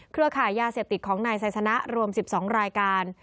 เครือข่ายยาเสียบติดของนายไซสนะรวม๑๒รายการ